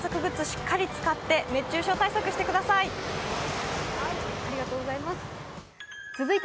しっかり使って熱中症対策してください。